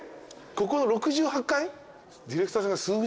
ここの６８階？